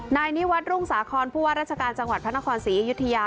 นายนิวัตรรุ่งสาครผู้ว่าราชการจังหวัดพระนครศรีอยุธยา